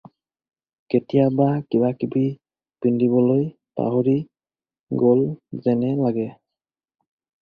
কেতিয়াবা কিবাকিবি পিন্ধিবলৈ পাহৰি গ'ল যেনেই লাগে।